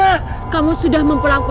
aku akan menganggap